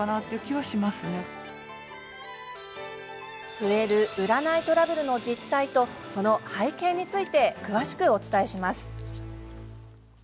増える占いトラブルの実態とその背景について詳しくお伝えします。